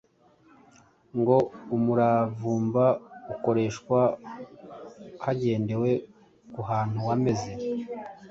ngo umuravumba ukoreshwa hagendewe ku hantu wameze,